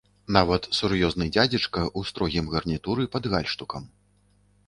Нават сур'ёзны дзядзечка ў строгім гарнітуры пад гальштукам.